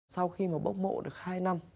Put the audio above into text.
sau khi mà bốc mộ được hai năm